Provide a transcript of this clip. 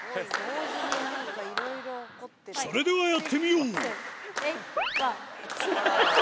それではやってみよう。